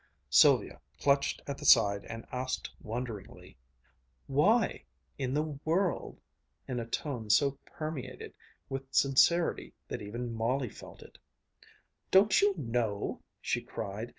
Sylvia clutched at the side and asked wonderingly, "Why in the world?" in a tone so permeated with sincerity that even Molly felt it. "Don't you know?" she cried.